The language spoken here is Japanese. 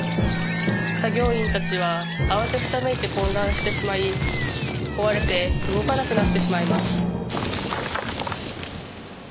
作業員たちは慌てふためいて混乱してしまい壊れて動かなくなってしまいます